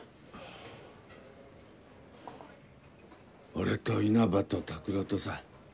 俺と因幡と拓郎とさ。